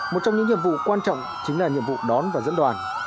một trong những nhiệm vụ quan trọng chính là nhiệm vụ đón và dẫn đoàn